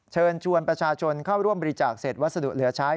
เชิญชวนประชาชนเข้าร่วมบริจาคเศษวัสดุเหลือใช้